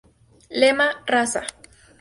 Lema: ¡Raza!